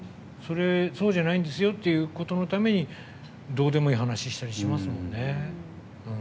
そうじゃないんですよっていうことのためにどうでもいい話したりしますもんね。